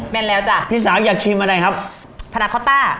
นแล้วจ้ะพี่สาวอยากชิมอะไรครับพนาคอตต้า